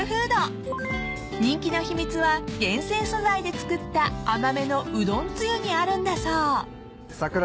［人気の秘密は厳選素材で作った甘めのうどんつゆにあるんだそう］